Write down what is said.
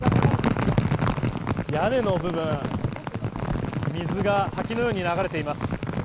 屋根の部分水が滝のように流れています。